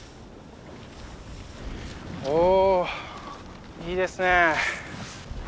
おいいですね！